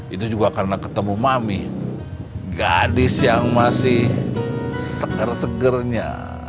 itu juga karena ketemu mami gadis yang masih seger segernya